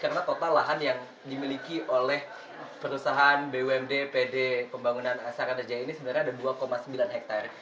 karena total lahan yang dimiliki oleh perusahaan bumd pd pembangunan asar raja ini sebenarnya ada dua sembilan hektare